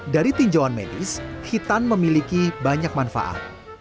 dari tinjauan medis hitam memiliki banyak manfaat